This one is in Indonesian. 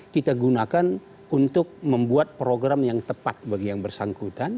kita gunakan untuk membuat program yang tepat bagi yang bersangkutan